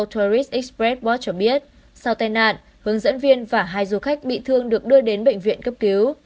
hàng châu tourist express board cho biết sau tai nạn hướng dẫn viên và hai du khách bị thương được đưa đến bệnh viện cấp cứu